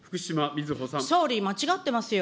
総理、間違ってますよ。